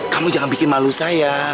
kamu jangan bikin malu saya